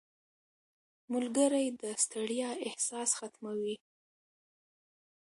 • ملګری د ستړیا احساس ختموي.